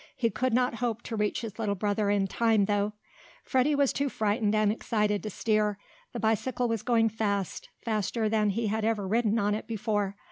He could not hope to reach his little brother in time, though. Freddie was too frightened and excited to steer. The bicycle was going fast faster than he had ever ridden on it before.